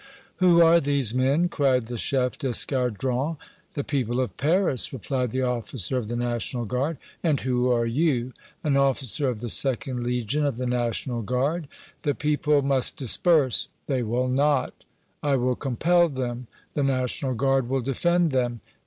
"Who are these men?" cried the chef d'escadron. "The people of Paris!" replied the officer of the National Guard. "And who are you?" "An officer of the 2d Legion of the National Guard." "The people must disperse!" "They will not!" "I will compel them!" "The National Guard will defend them!"